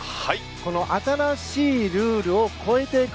新しいルールを超えていく。